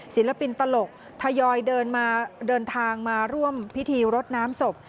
ศิลปินตลกทยอยเดินทางมาร่วมพิธีรดน้ำศพ